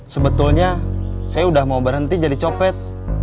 sebetulnya saya udah mau berhenti jadi copet